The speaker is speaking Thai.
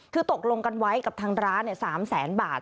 คือตกลงกันไว้กับทางร้าน๓แสนบาท